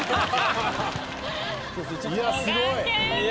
いやすごい。